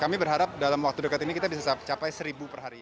kami berharap dalam waktu dekat ini kita bisa capai seribu per hari